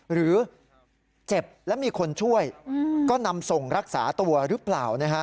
หรือเจ็บและมีคนช่วยก็นำส่งรักษาตัวหรือเปล่า